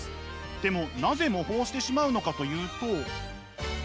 でもなぜ模倣してしまうのかというと。